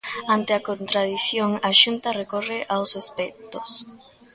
Ante a contradición, a Xunta recorre aos expertos.